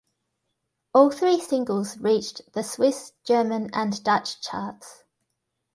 All three singles reached the Swiss German and Dutch charts.